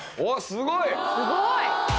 すごい！